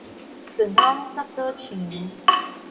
順風捒倒牆